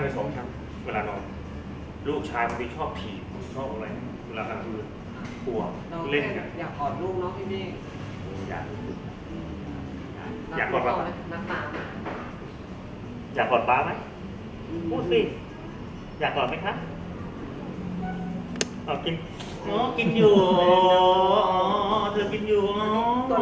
สองคนแสงกว่าเนี่ยครับปีนี้เรียกว่าก็ประมาณ๓แสน